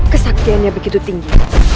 kesaktiannya begitu tinggi